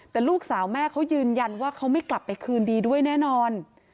แต่ลูกสาวแม่เขายืนยันว่าเขาไม่กลับไปคืนดีด้วยแน่นอน